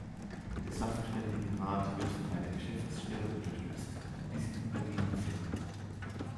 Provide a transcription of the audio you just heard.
Der Sachverständigenrat wird von einer Geschäftsstelle unterstützt, die sich in Berlin befindet.